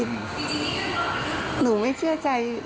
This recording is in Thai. ไม่ต้องทำอะไรพี่